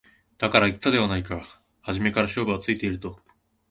だから言ったではないか初めから勝負はついていると